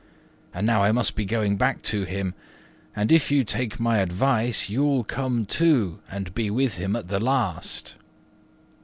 And now I must be going back to him; and, if you take my advice, you'll come too and be with him at the last."